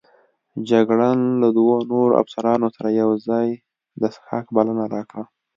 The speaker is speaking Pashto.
جګړن د له دوو نورو افسرانو سره یوځای د څښاک بلنه راکړه.